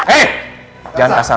hei jangan kasar